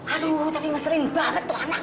aduh tapi ngeselin banget tuh anak